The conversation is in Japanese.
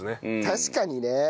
確かにね。